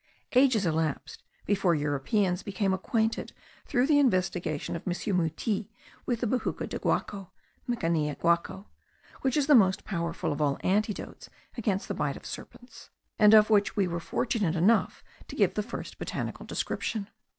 Ages elapsed before Europeans became acquainted through the investigation of M. Mutis, with the bejuco del guaco (Mikania guaco), which is the most powerful of all antidotes against the bite of serpents, and of which we were fortunate enough to give the first botanical description.